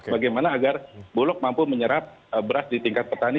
bagaimana agar bulog mampu menyerap beras di tingkat petani